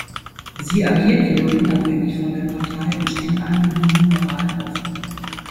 Sie agiert jedoch unabhängig von der Partei und steht allen jungen Liberalen offen.